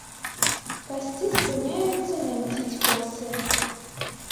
Касцы спыняюцца мянціць косы.